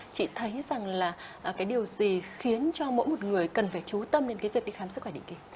chị thấy rằng là điều gì khiến cho mỗi một người cần phải trú tâm đến việc đi khám sức khỏe định kỳ